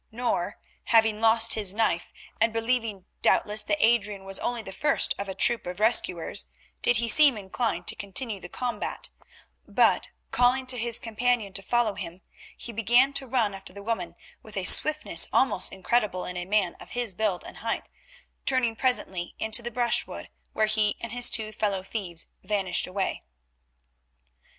Nor, having lost his knife, and believing doubtless that Adrian was only the first of a troop of rescuers, did he seem inclined to continue the combat, but, calling to his companion to follow him, he began to run after the woman with a swiftness almost incredible in a man of his build and weight, turning presently into the brushwood, where he and his two fellow thieves vanished away.